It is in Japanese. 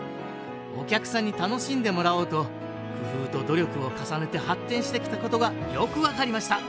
お客さんに楽しんでもらおうと工夫と努力を重ねて発展してきたことがよく分かりました。